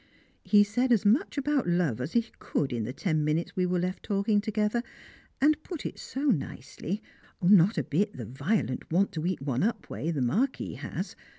He said as much about love as he could in the ten minutes we were left talking together, and put it so nicely not a bit that violent want to eat one up way the Marquis has.